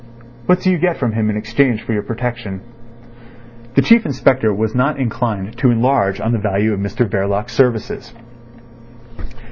"What do you get from him in exchange for your protection?" The Chief Inspector was not inclined to enlarge on the value of Mr Verloc's services.